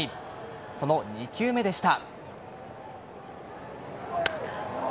その２球目でした。